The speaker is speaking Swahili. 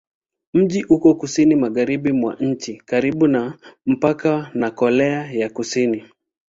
Mji uko kusini-magharibi mwa nchi, karibu na mpaka na Korea ya Kusini.